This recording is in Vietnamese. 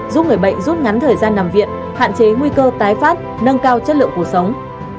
giúp người bệnh rút ngắn thời gian nằm viện hạn chế nguy cơ tái phát nâng cao chất lượng cuộc sống